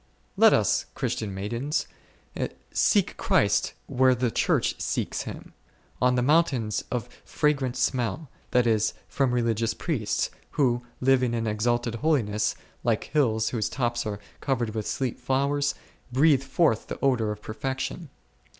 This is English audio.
Let us, Christian maidens, seek Christ where the Church seeks Him, on the mountains of fragrant smell, that is, from religious priests, who, living in exalted holiness, like hills whose tops are covered with sweet flowers, breathe forth the odour of perfec tion.